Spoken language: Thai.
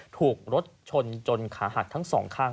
ถูกรถชนจนขาหักทั้งสองข้าง